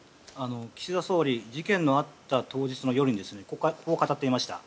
岸田総理事件のあった当日の夜にこう語っていました。